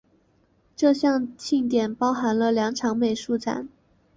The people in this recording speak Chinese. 这项庆典包含了两场美术展。